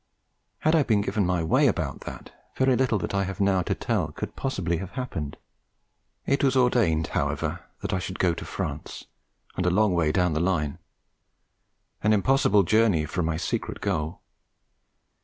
Had I been given my way about that, very little that I have now to tell could possibly have happened. It was ordained, however, that I should go to France, and a long way down the Line, an impossible journey from my secret goal.